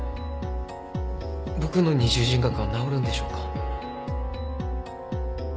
僕の二重人格は治るんでしょうか？